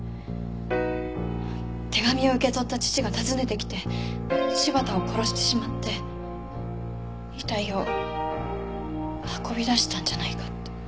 手紙を受け取った父が訪ねてきて柴田を殺してしまって遺体を運び出したんじゃないかって。